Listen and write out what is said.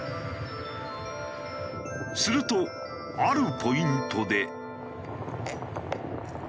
するとあるポイントで。